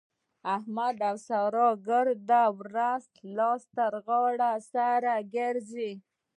احمد او سارا ګرده ورځ لاس تر غاړه سره ګرځي.